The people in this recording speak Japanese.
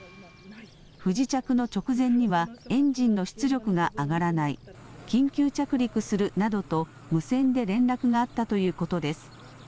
不時着の直前には、エンジンの出力が上がらない、緊急着陸するなどと無線で連絡があったということです。